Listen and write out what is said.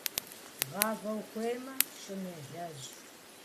Гъавэ ухуеймэ, щӀым елэжь.